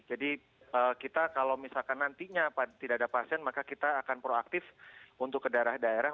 jadi kita kalau misalkan nantinya tidak ada pasien maka kita akan proaktif untuk ke daerah daerah